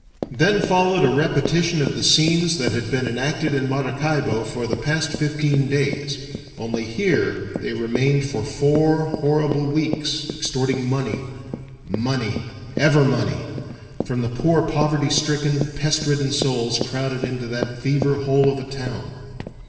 Then followed a repetition of the scenes that had been enacted in Maracaibo for the past fifteen days, only here they remained for four horrible weeks, extorting money money! ever money! from the poor poverty stricken, pest ridden souls crowded into that fever hole of a town.